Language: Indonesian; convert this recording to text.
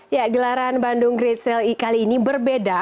ya gelaran bandung great sale e kali ini berbeda